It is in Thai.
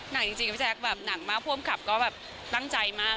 หนักจริงพี่แจ๊คแบบหนักมากผู้อำกับก็แบบตั้งใจมาก